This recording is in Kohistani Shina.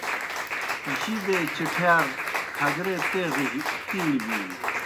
جِبے چِٹِھیار کھگرے تیغجیْ تِیݨیْ بِینیْ